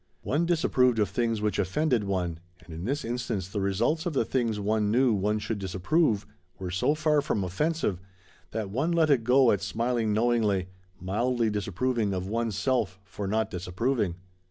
One disapproved of things which offended one, and in this instance the results of the things one knew one should disapprove were so far from offensive that one let it go at smiling knowingly, mildly disapproving of one's self for not disapproving.